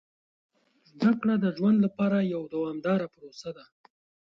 زده کړه د ژوند لپاره یوه دوامداره پروسه ده.